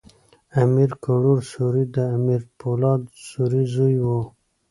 امیر کروړ سوري د امیر پولاد سوري زوی ؤ.